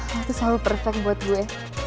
lo tuh selalu perfect buat gue